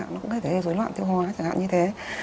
nó cũng có thể dối loạt tiêu hóa chẳng hạn như thế